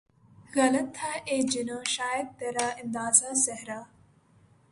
غلط تھا اے جنوں شاید ترا اندازۂ صحرا